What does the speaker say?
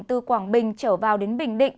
từ quảng bình trở vào đến bình định